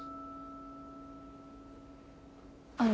あの。